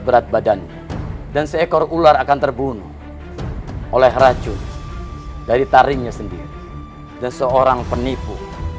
berat badannya dan seekor ular akan terbunuh oleh racun dari taringnya sendiri dan seorang penipu